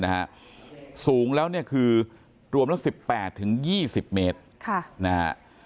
นะฮะสูงแล้วเนี่ยคือรวมละสิบแปดถึงยี่สิบเมตรค่ะนะฮะ